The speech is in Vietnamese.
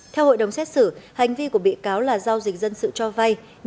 theo hội đồng xét xử hành vi của bị cáo là giao dịch dân sự cho vay